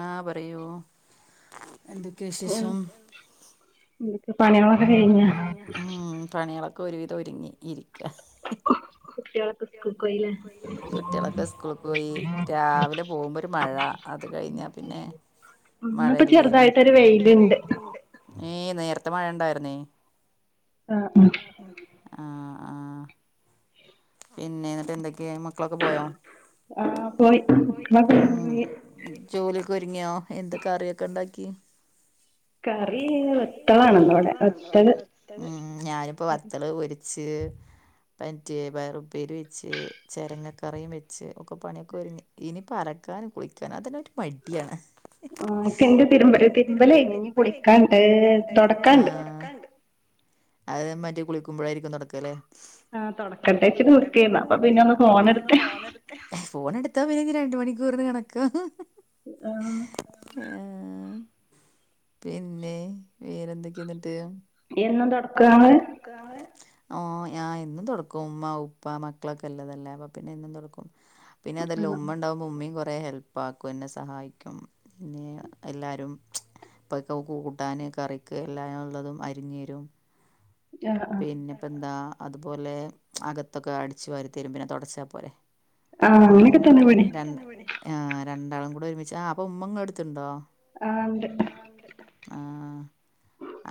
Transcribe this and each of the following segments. ആഹ് പറയൂ എന്തൊക്കെയ വിശേഷം ഉം പണ്യാളൊക്കെ ഒക്കെ ഒരുവിതൊരുങ്ങി ഇരിക്ക കുട്ട്യാളൊക്കെ സ്കൂളിൽ പോയി രാവിലെ പോവ്മ്പോ മഴ അത് കഴിഞ്ഞാ പിന്നെ മഴയില്ലേനും ഏഹ് നേരത്തെ മഴ ഇണ്ടായിറ്ന്നേ [unintelligible] ആഹ് ആഹ് പിന്നെ എന്നിട്ട് എന്തൊക്കെയ മക്കളൊക്കെ പോയോ ജോലിക്ക് ഒരുങ്ങിയോ എന്താ കറി ഒക്കെ ഇണ്ടാക്കി ഞാനിപ്പോ വത്തല് പൊരി ച്ച് പറ്റ പയറ്പ്പേരി വെച്ച് ചരങ്ങക്കറിയും വെച്ച് ഒക്കെ പണിയൊക്കെ ഒരുങ്ങി ഇനിയിപ്പ അലക്കാനും കുളിക്കാനും അതിനൊരു മട്യാണ് അഹ് എന്റെ തിരുമ്പല തിരുമ്പലഴിഞ്ഞ് ഇനി കുളിക്കാണ്ട് തൊടക്കാണ്ട് അത് മാറ്റി കുളിക്കുമ്പഴായിരിക്കും തുടക്കല് അല്ലേ ആ് തുടക്കണ്ടേച്ച് നിക്കെന്ന് അപ്പൊ പിന്നെ ഒന്ന് ഫോണെടുത്ത് ഫോൺ എടുത്താ പിന്നെ ഇനി രണ്ട് മണിക്കൂറിന് കണക്ക ആഹ് ആഹ് പിന്നെ വേറെന്തൊക്കെയ ഇന്നിട്ട് എന്നും തൊടക്ക എന്ന് തൊടക്കാണ് ഓ ഞാൻ എന്നും തുടക്കും ഉമ്മ ഉപ്പ മക്കളൊക്കെല്ലതല്ലേ അപ്പ പിന്നെ എന്നും തുടക്കും പിന്നെ അതെല്ലാ ഉമ്മ ഉണ്ടാവും ഉമ്മി കുറെ ഹെല്പ്പാക്കും എന്നെ സഹായിക്കും പിന്നെ എല്ലാരും ഇപ്പഒക്കെ കൂട്ടാൻ കറിക്ക് എല്ലാം ഉള്ളതും അരിഞ്ഞെരും ആഹ് പിന്നെപ്പോ എന്താ അതുപോലെ അകത്തൊക്കെ അടിച്ചു വരിതരും പിന്നെ തൊടച്ചാ പോരെ ആഹ് അങ്ങനൊക്കെ തന്നെ ഇവിടിം [unintelligible] ആ രണ്ടാളും കൂടെ ഒരുമിച്ച് ആ അപ്പൊ ഉമ്മ ഇങ്ങടുത്തിണ്ടോ ആഹ് ഇണ്ട് ആണ്ട് ആഹ്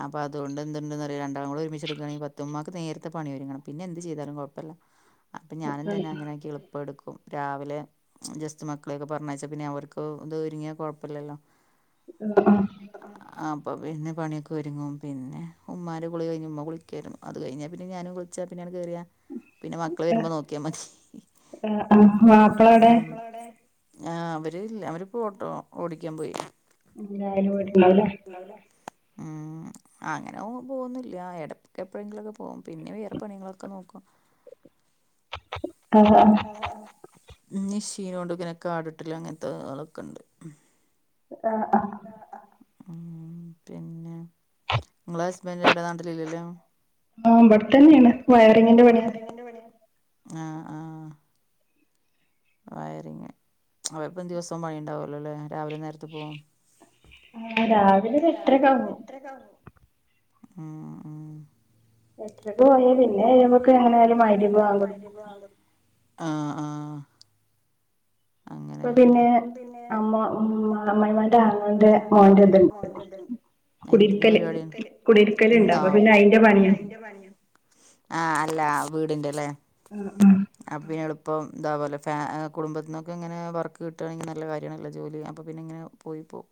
അപ്പൊ അതുകൊണ്ട് എന്തന്നറിയോ രണ്ടാളും കൂടെ ഒരുമി എടുക്കാണെങ്കി പറ്റും ഇമ്മാക്ക് നേരത്തെ പണി ഒരുങ്ങണം പിന്നെ എന്ത് ചെയ്താലും കുഴപ്പല്ല അപ്പം ഞാനും തന്നെ അങ്ങനെ ആക്കി എളുപ്പെടുക്കും രാവിലെ ജസ്റ്റ് മക്കളെയൊക്കെ പറഞ്ഞയച്ചാ പിന്നെ അവർക്ക് ഇത് ഒരുങ്ങിയാ കുഴപ്പില്ലല്ലോ ആഹ് ആ അപ്പൊ പിന്നെ പണിയൊക്കെ ഒരുങ്ങും പിന്നെ ഉമ്മാന്റെ കുളി കഴിഞ്ഞ ഉമ്മ കു രും അത് കഴിഞ്ഞാ പിന്ന ഞാനും കുളിച്ചാ പിന്ന കേറിയാ പിന്നെ മക്കള് വരുമ്പോ നോക്കിയാ മതി ആഹ് മപ്പാള എവ്ടേ ആഹ് അവര്ല്ല അവരിപ്പോ ഓട്ടോ ഓടിക്കാൻ പോയി എങ്ങനായാലും വീട്ടണ്ടല്ലേ ഉള്ളേലെ ഉം അങ്ങനെ പോകുന്നില്ല ആ ഇടക്ക് എപേഴിങ്കിലൊക്കെ പോകും പിന്നെ വേറെ പണികളൊക്കെ നോക്കും ആഹ് ആഹ് മിഷീനോണ്ട് ഇങ്ങനെ കാടവെട്ടല് അങ്ങനത്തെ ആതെക്കെ ഇണ്ട് ആഹ് ആഹ് ഉം പിന്നെ ഇങ്ങളെ ഹസ്ബൻഡ് എവിടെ നാട്ട്ലില്ലല്ലോ ആ ഇബടെ ആ ഇബ്ടെ തന്നെയാണ് വയറിങ്ങിന്റെ പണിയ ആഹ് ആഹ് വയറിങ് അപ്പൊ എപ്പഴും ദിവസവും പണി ഉണ്ടാവല്ലോല്ലേ രാവിലെ നേരത്തെ പോവോ ആഹ് രാവിലെ ഒരൂ എട്ടര ഒക്കെ ആവുബോ പോവും എട്ടര ആവുമ്പോ ഉം ഉം എട്ടരയ്ക്ക് പോയാൽ പിന്നെ വരുബോക്ക് എങ്ങനൊയാലും മഗ്രിബ് ബാങ്കോട്ക്കും ബാങ്കൊടുക്കും ആഹ് ആഹ് അപ്പം പിന്നെ പിന്നെ അമ്മ അമ്മയിമ്മാന്റെ ആങ്ങളന്റെ മോൻന്റെ ഇത്ണ്ട് എന്തന്ന് പരിപാടി കുടിൽക്കല് കുടിൽക്കല് ഇണ്ട് അപ്പൊ പിന്നെ അയ്‌ന്റെ പണിയാ ആഹ് അല്ല വീടിന്റെ ല്ലേ ആഹ് ആഹ് അപ്പം പിന്നെ എളുപ്പം ഇന്താവോലെ ഫ കുടുംബത്തിന്ന് നമക്കെങ്ങനെ വർക്ക് കിട്ടുകയാണങ്കിൽ നല്ല കാര്യണല്ല ജോലി അപ്പോ പിന്നെ ഇങ്ങനെ പോയി പോവും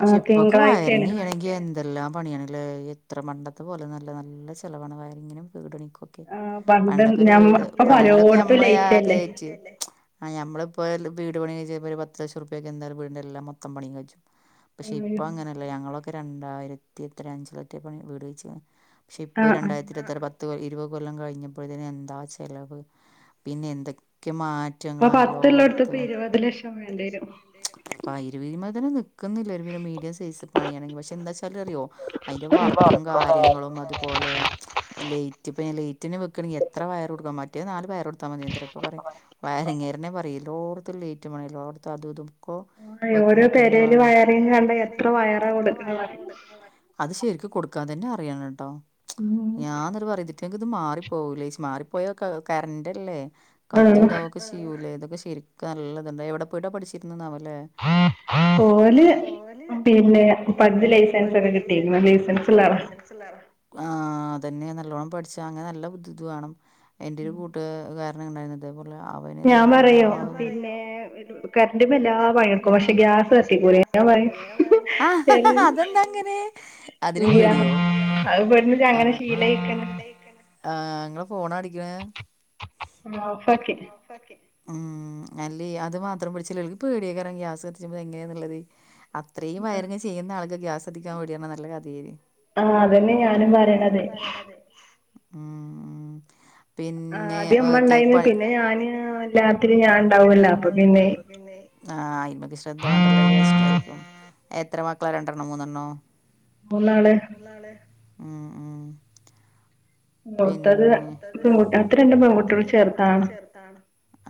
പക്ഷെ ഇപ്പൊക്കെ വയറിംഗ് ചെയ്യണെങ്കിൽ എന്ത് ഇതെല്ലാം പണിയണല്ലേ എത്ര പണ്ടത്തെ പോലെ നല്ല നല്ല ചെലവാണ് വയറിങ്ങിനും വീട് പണിക്കും പണ്ടൊക്കെ ഒരു വീട് പണ്ടൊക്കെ നമ്മളെ ആ കെയ്റ്റി ആ ഞമ്മളിപ്പോൾ വീട് പണി കഴിച്ചപ്പോൾ ഒരു പത്ത് ലക്ഷം ഉറുപൊക്ക് എന്തായും വീടിന്റെ എല്ലാ പണിം കാജ്ജും പക്ഷെ ഇപ്പ അങ്ങനല്ല ഞങ്ങളൊക്കെ രണ്ടായിരത്തി എത്ര അഞ്ചിലറ്റ പണി വീട് വെച്ച് പക്ഷെ ഇപ്പോൾ രണ്ടായിരത്തി- രുപത്താറ് പത്ത് കൊല്ലം ഇരുപത് കൊല്ലം കഴിഞ്ഞപ്പോഴത്തേന് എന്താ ചെലവ് പിന്നെ എന്തൊക്കെ മാറ്റ- മാറ്റങ്ങളാ എല്ലായിടത്തും ആ പത്ത് ഇല്ലേടത്ത് ഇരുപത് ലക്ഷം വേണ്ടി വരും അപ്പം ഇരുവീമതന്നെ നിൽക്കുന്നില്ല ഒരു മീഡിയം സൈസ് പണിയാണെങ്കിൽ പക്ഷെ എന്താച്ചാലും അറിയോ അയിന്റെ വർക്കും കാര്യങ്ങളും അതുപോലെ ലേറ്റ് ഇപ്പ ലേറ്റിനു വെക്കണെങ്ക എത്ര വയർ കൊടുക്കാം മറ്റേ നാല് വയർ കൊടുത്താ മതി അത്രേ ഇപ്പ പറയും വയറിങ്ങേരനെ പറയും എല്ലേടുത്തും ലെയ്റ്റ് വേണം എല്ലേടുത്തും അതും ഇതേക്കെ വെക്കുമ്പോ തന്നെ വാണം വയറിംഗ് കണ്ടാ എത്ര വയറാ കെടുക്ക്ണത് അറിയോ അത് ശരിക്കും കൊടുക്കാൻ തന്നെ അറിയണം കേട്ടോ ഞാൻ എന്നിട്ട് പറയും ഇതിറ്റങ്ങൾക്ക് ഇത് മാറി പോകലേ മാറിപ്പോയ കറന്റ് അല്ലേ കത്തും ഇതാവും ഒക്കെ ചെയ്യൂലേ ഇതൊക്കെ ശരിക്കും നല്ലതുണ്ട് എവിടെ പോയിട്ടാ പഠിച്ചിരുന്ന്നാവല്ലേ [inaudible] ഓല് പിന്നെ പടിച്ച് ലൈസൻസ് ഒക്കെ കിട്ടിയിരിക്കുന്നു ലൈസൻസ് ഉള്ള ആളാ ആളാ ആ അതന്നെ നല്ലോണ്ണം പഠിച്ച അങ്ങനെ നല്ല ബുദ്ധി വേണം എന്റെരു കൂ - കാരണം ഉണ്ടായിന് അതേപോലെ അവ- ഞാൻ പറയോ പിന്നെ കറന്റുമ്മെ എല്ലാ പണിയെടുക്കും പക്ഷെ ഗ്യാസ് കത്തിക്കൂല [unintelligible] അങ്ങനെ ഇണേക്കാരം ആഹ് നിങ്ങളെ ഫോണാടിക്ക്ണ് ഉം. അല്ലയ് അത് മാത്രം പിടിച്ചില്ലക്ക് പേടിയക്കാരം ഗ്യാസ് കത്തിച്ചുമ്പം എങ്ങനാന്നുള്ളത് അത്രയും വയറിങ്ങ് ചെയ്യുന്ന ആൾക്ക് ഗ്യാസ് കത്തിക്കാൻ പേടിയാണ് നല്ല കഥയായി ആഹ്! അതന്നെ ഞാനും പറയണത് അതെ ഉം. ഉം. പിന്നെ പിന്നെ ഞാന് എല്ലാത്തിനും ഞാൻ ഉണ്ടാവുല്ലൊ അപ്പൊ പിന്നെ ആഹ് അയിന്മക്ക് ശ്രദ്ധ വേണ്ടല്ല വെച്ചിട്ടായിരിക്കും എത്ര മക്കളാ രണ്ടെണ്ണോ മൂന്നെണ്ണോ? മൂന്നാള് ഉം. ഉം ത്തത് പെൺകുട്ടി എൻക്ക് രണ്ട് പെൺകുട്ടികൾ ചെർതാണ്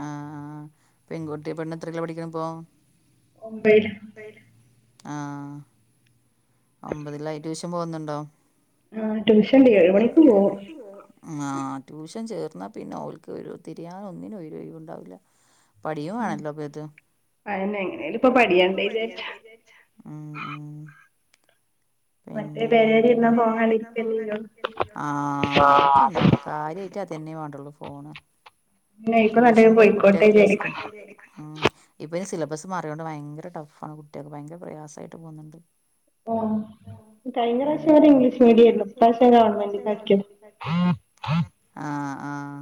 ആഹ് പെൺകുട്ടി പെണ്ണ് എത്രയിലാ പഠിക്കണപ്പോ ഒൻപതില് ആഹ് ഒമ്പതിലായി ട്യൂഷൻ പോകുന്നുണ്ടോ? ആഹ് ട്യൂഷണ്ട് ഏഴ് മണിക്ക് പോവും ആഹ് ട്യൂഷൻ ചേർന്നാൽ പിന്നെ അവൾക്ക് ഒരു തിരിയാൻ ഒന്നിനും ഒരിത്ണ്ടാവില്ല പടിയുവാണല്ലോത് ഉം ഉം പിന്നെ വേറെന്തൊക്ക ആഹ് അതൊക്കെ ഇണ്ടാവും കാര്യായിട്ട് അതന്നെ വേണ്ടുള്ളൂ ഫോണ് ട്യൂഷൻ പോയ കുട്ടിയക്കെ റിസ്ക് ഉം.. ഇപ്പൊ ഈ സിലബസ് മാറിയോണ്ട് ഭയങ്കര ടഫ് ആണ് കുട്ടികൾക്ക് ഭയങ്കര പ്രയാസമായിട്ട് പോകുന്നുണ്ട് ആഹ് കഴിഞ്ഞ പ്രാവശ്യം വരെ ഇംഗ്ലീഷ് മീഡിയാരുന്നു പ്രാവശ്യം ഗവണ്മെന്റിക്കാക്കിയത് ആഹ് ആഹ്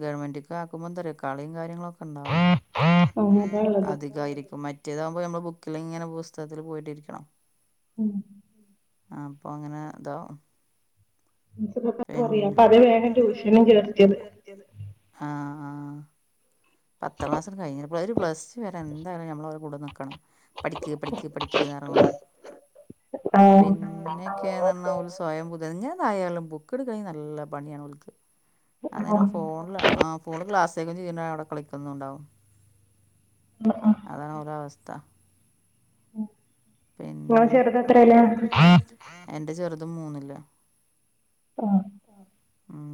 ഗവൺമെന്റ്ക്കാക്കുമ്പോന്താരിയോ കളിം കാര്യങ്ങളൊക്കെ ണ്ടാവും അധികായിരിക്കും മ - റ്റേതകുമ്പോൾ നമ്മൾ ബുക്കിലിങ്ങനെ പുസ്തകത്തില് പോയിട്ടിരിക്കണം ഉം.... ആഹ് അപ്പൊങ്ങനെ ഇതാ [unintelligible] ക്കെ കുറയാ അപ്പൊ അതാ വേഗം ട്യൂഷനും ചേർത്തിയത് ആഹ് ആഹ് പത്താം ക്ലാസ്സ് കഴിഞ്ഞ് ഒരു പ്ലസ് ടു വരെന്തായാലും നമ്മള് ഓലെ കൂടെ നിൽക്കണം പഠിക്ക് പഠിക്ക് പഠിക്ക്ന്ന്റഞ്ഞുങ്ങോണ്ട് പിന്നെ ഒക്കെന്നറഞ്ഞാൽ സ്വയം പുതുങ്ങതായാലും ബുക്ക് എടുക്കണേ നല്ല പണിയാണ് ഓൽക്ക് അങ്ങേനം ഫോണില് ആഹ് ഫോണ് ക്ലാസ്സേക്കും ചെയ്യും അവിടെ കളിക്കുന്നും ഉണ്ടാവും ഉം ഉം അതാണ് ഓരവസ്ഥ ആഹ് പിന്നെ എന്റെ ചെറുത് മൂന്നില് ഉം ഉം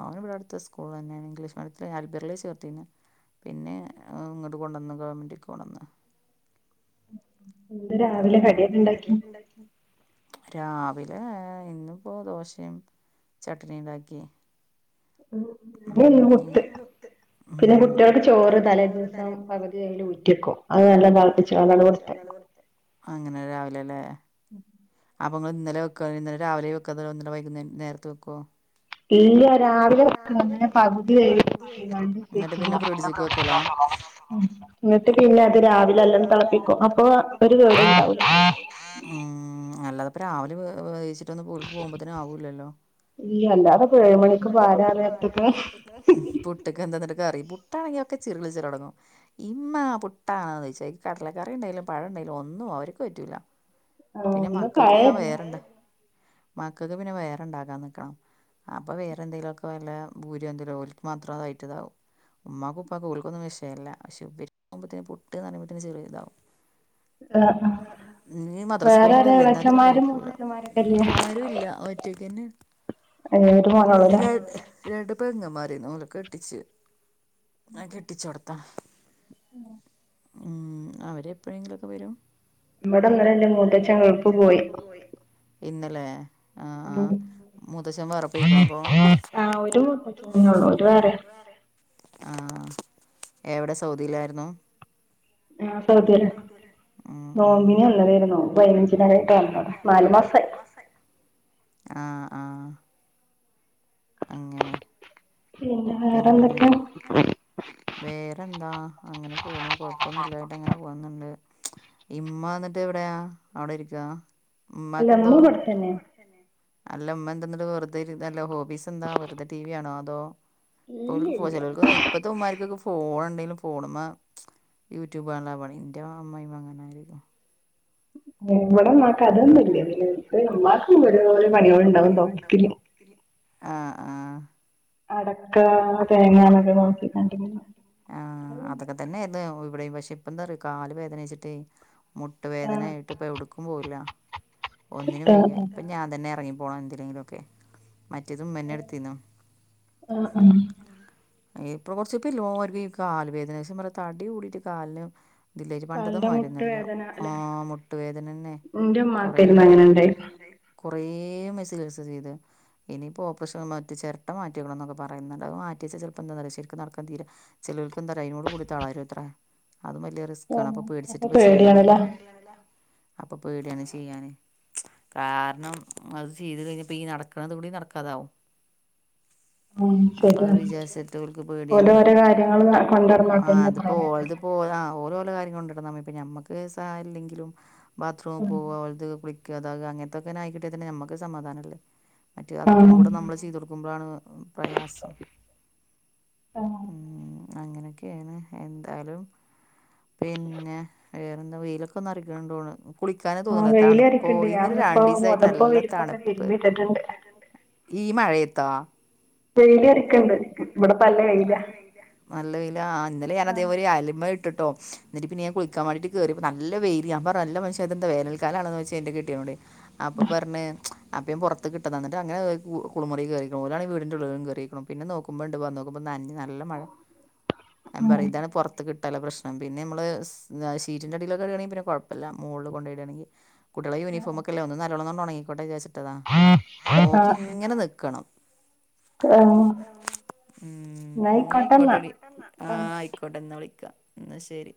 അവന് ഇവിടെ അടുത്തെ സ്കൂള് തന്നെയാണ് ഇംഗ്ലീഷ് മീഡ്യത്തില് അൽബിറില് ചേർത്തിണ് പിന്നെ ഇങ്ങോട്ട് കൊണ്ടുവന്ന് ഗവൺമെൻ്റ്ക്ക് കൊണ്ടുവന്ന് എന്താ രാവിലെ കടിയൊക്കെണ്ടാക്കി? ണ്ടാക്കി രാവിലെ ഇന്നിപ്പോ ദോശിം ചട്നിണ്ടാക്കി. ഉം [unintelligible] പുട്ട് ഉം പു പിന്നെ കുട്ട്യേൾക്ക് ചോറ് തലേ ദിവസം പകുതി വേവ് ല് ഊറ്റ്യേക്കും. അത് നല്ലം തെളപ്പിച്ച്ങ്ങാണ്ടാണ്ട് കൊട് തയക്കും. അങ്ങനെ രാവിലെ ലേ. ഉം അപ്പ നിങ്ങള് ഇന്നലെ വെക്കാണേ ഇന്നലെ രാവിലേ വെക്കാതെ ഒന്നര വൈകുന്ന നേരത്തെ വെക്കോ? ഇല്ല. രാവിലെ വെക്ക്ണത് പകുതി വേവില് മാറ്റിങ്ങാണ്ട് [unintelligible] ഉം ഇന്നട്ട് പിന്നെ അത് രാവിലെ നല്ലൊന്ന് തെളപ്പിക്കും. അപ്പൊ ഒരു കേടുണ്ടാവൂല്ല. ഉം അല്ലാതെ പ്പ രാവിലെ വേ വേവിച്ചി ട്ടൊന്നും ഇപ്പം ഓൻക്ക് പോവുമ്പോത്തിന് ആവൂല്ലല്ലോ. ഇല്ല്യ. അല്ലാതെ പ്പേഴ് മണിക്ക് ഇപ്പാരാ ആ നേരത്ത് പുട്ട്ക്ക് എന്താ ന്നട്ട് കറി? പുട്ടാണെങ്കി ഒക്കെ ചിരള് ചിറ്യൊടങ്ങും. ഇമ്മാ പുട്ടാണോന്നൊയ്ച്ചും. അയ്ക്ക് കടലക്കറി ഇണ്ടെലും പഴം ണ്ടെലും ഒന്നും ഓൺക്ക് പറ്റൂല്ല. പിന്നെ മക്കക്ക് ഞാൻ വേറെണ്ട, മക്കക്ക് പിന്നെ വേറെണ്ടാക്കാൻ നിക്കണം. അപ്പൊ വേറെ എന്തെലൊക്കെ വല്ല ഭൂര്യോ എന്തേലോ ഓൽക്ക് മാത്രം അതായിട്ട്താവും. ഉമ്മാക്കും ഉപ്പാക്കും ഓൽക്കൊന്നും വെഷയല്ല. പക്ഷേ ഇവര്ക്കാവുമ്പൊത്തേനും പുട്ട് ന്ന് പറയ്മ്പോത്തിനും ചിറി ഇതാവും. ഇഞ് മദ്രസ്ക്ക് പോവുമ്പളല്ലേ. ഇന്നാ തെന്നെ കഴിക്കൂല. [unintelligible] ആഹ്. അരൂല്ല ഒറ്റക്കെന്നെണ്. [unintelligible] രണ്ട് പെങ്ങന്മാരേന്നു, ഓലെ കെട്ടിച്ച്. ആഹ് കെട്ടിച്ചോട്ത്താ. ആഹ്. ഉം അവരെപ്പഴെങ്കിലൊക്കെ വരും. ഇവടെ ഇന്നലെ ൻ്റെ മൂത്തച്ചൻ ഗൾഫ് പോയി. പൊയി. ഇന്നലെ. ഉം ആഹ് ഒരു മൂത്തച്ചനെന്നൊള്ളൂ. ഓര് വേറ്യാ. ആഹ് എവിടെ സൗദീലായിരുന്നു? ആഹ് സൗദീലാ. നോമ്പിന് വന്നതേര്ന്നു. പയിനഞ്ച് വന്നതാ നാല് മാസായി. ആഹ് ആഹ്. അങ്ങനെ പിന്നെ വേറെന്തൊക്കെ? വേറെന്താ അങ്ങനെ പോണു കൊഴപ്പൊന്നും ഇല്ലായിട്ട് അങ്ങനെ പോവുന്നുണ്ട്. ഇമ്മ ഇന്നട്ട് എവിടെയാ അവിടെ ഇരിക്കാ? ഇമ്മാക്കെന്തോ, അല്ല ഉമ്മ എന്തന്നട്ട് വെറുതെയിരി അല്ല ഹോബീസെന്താ വെറുതെ ടി വി കാണോ അതോ ഇപ്പോൽക്ക് ഫോ ചെലോൽക്കൊന്നും ഇപ്പത്തെ ഉമ്മാർക്കൊക്കെ ഫോണുണ്ടെലും ഫോണ് മ്മ യൂട്യൂബ് കാണലാ പണി. ഇൻ്റെ അമ്മായിമ്മ അങ്ങനാ രികും. ഏഹ് ഇവടെ ഇമ്മാക്ക് അതൊന്നുല്ല്യ പിന്നെ ത് ഇമ്മാക്ക് ഓരോരോ പണികള് ണ്ടാവും തോട്ട്ത്തില്. ത്തില്. ആഹ് ആഹ് അടക്ക തേങ്ങാന്നൊക്കെ നോക്കിക്കാണ്ട് ങ്ങനെ [unintelligible] ഇതന്നേര്ന്ന് ഇവിടെയും. പക്ഷെ ഇപ്പ എന്താ അറ്യോ കാല് വേദനെ ച്ചിട്ടേ മുട്ട് വേദനായി ട്ട്പ്പം എവിട്ക്കും പോവൂല്ല. ഒന്നിനും വയ്യ ഇപ്പം ഞാൻ തന്നെ എറങ്ങി പോണം എന്തിനെങ്കിലൊക്കെ. മറ്റേത് ഇമ്മെന്നെട്ത്തീന്നു. ആഹ് ആഹ്. ഇപ്പള് കൊർച്ച്, ഇപ്പെല്ലാര്ക്കും ഈ കാല് വേദന ഒരീസം പറയാ തടി കൂടീട്ട് കാലിന് ഇതില്ലേ പണ്ടത്തെ മരുന്നല്ലേ ആ മുട്ടുവേദനന്നെ കൊറേ കുറെ മെസ്സികേഴ്സ് ചെയ്ത് ഇനിയിപ്പോ ഓപ്പറേഷൻ മറ്റേ ചിരട്ട മാറ്റിവെക്കണം എന്നൊക്കെ പറയുന്നുണ്ടത് മാറ്റിെവെച്ച ചിലപ്പോ എന്താ ശരിക്കും നടക്കാൻ തീരെ ചിലോൽക്ക് എന്തായ്യാ അതിനോട്കൂടി തളരുത്രേ അതും വല്ല്യ റിസ്കാണ് അപ്പൊ പേടിച്ചിട്ട് ഇപ്പ ചെയ്യുന്നില്ല അപ്പൊ പേടിയാണ് ചെയ്യാന് കാരണം അത് ചെയ്ത് കഴിഞ്ഞപ്പോ ഈ നടക്കണത് കൂടി നടക്കാതാവും അപ്പൊ അത്‌ വിചാരിച്ച്ട്ട് ഓല്ക് പേടിയാണ് ആ അതിപ്പോ ഓലത് ഇപ്പ ആ ഓല് ഓല കാര്യങ്ങള് കൊണ്ടിടന്നമതി ഇപ്പ ഞമ്മക്ക് സഹായം ഇല്ലെങ്കിലും ബാത്റൂമി പോവ ഓലത് കുളിക്ക അതാക അങ്ങനത്തൊക്കെന്നെ ആയിക്കിട്ടിയാ തന്നെ നമ്മക്ക് സമാദാനല്ലേ മറ്റ് അതൊക്കെ കൂടെ നമ്മള് ചെയ്ത് കൊടുക്കുമ്പോഴാണ് പ്രയാസം ഉം അങ്ങനെക്കെയാണ് എന്താലും പിന്നെ വേറെന്താ വെയിലൊക്കെ ഒന്നറിക്കാണ്ടോണ് കുളിക്കാനേ തോന്ന്നില്ല തണുപ്പൊ ഇന്നൊരു രണ്ടീസായിട്ട് നല്ല തണുപ്പ് ഈ മഴയത്താ കുളിക്ക്ണ്ട് ഇ നല്ല വെയിലാ ആ ഇന്നലെ ഞാനതേ പോലെ അലയമ്മേ ഇട്ടിട്ടോ എന്നിട്ട് പിന്നെ ഞാൻ കുളിക്കാൻ വേണ്ടീട്ട് കേറിയപ്പോ നല്ല വെയില് ഞാൻ പറഞ്ഞു അല്ല മനഷ്യ ഇതെന്താ വേനൽക്കാലാണോന്ന് ചോയ്ച്ച എന്റെ കെട്ടിയോനോട് അപ്പൊ പറഞ്ഞ് അപ്പം പുറത്ത് കിട്ടതാണ് അങ്ങനെ കുളിമുറീക്ക് കേറീക്കും ഓലാണെങ്കി വീടി ട്ട് ഇള്ളതും കേറീക്കുണു പിന്നെ നോക്കുമ്പോണ്ട് വന്നോക്കുമ്പോ നല്ല മഴ ഇതാണ് പുറത്ത് ട്ടാല പ്രശ്നം പിന്ന നമ്മള് സ് ഷീറ്റിന്റെ അടിയിലൊക്കെ ഇടുകയാണെങ്കി പിന്നെ കുഴപ്പില്ല മോളിൽ കൊണ്ടോയ് ഇടുകയാണെങ്കിൽ കുട്ടിയോളെ യൂണിഫോമൊക്കെ അല്ലേ ഒന്ന് നല്ലോണംന്ന് ഉണങ്ങിക്കോട്ടെ വിചാരിച്ചിട്ടതാ നോക്കി ഇങ്ങനെ നിക്കണം ഉം എന്നാ ആയിക്കോട്ടടി ആഹ് ആയി ക്കോട്ടേ പിന്നെ വിളിക്കാം ന്നാ ശരി